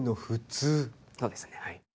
そうですねはい。